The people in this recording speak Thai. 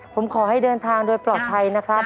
ผมขอให้เดินทางโดยปลอดภัยนะครับ